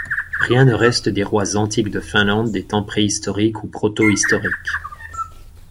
Rien ne reste des rois antiques de Finlande des temps préhistoriques ou protohistoriques.